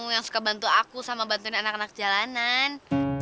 yang suka bantu aku sama bantuin anak anak jalanan